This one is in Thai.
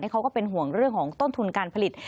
เขาก็เป็นห่วงเรื่องของต้นทุนการผลิต